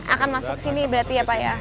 akan masuk sini berarti ya pak ya